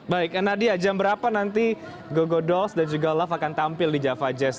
baik nadia jam berapa nanti gogo dols dan juga love akan tampil di java jazz